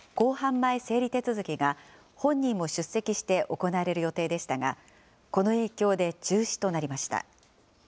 前整理手続きが、本人も出席して行われる予定でしたが、この影響で中止となりました。